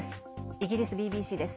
イギリスＢＢＣです。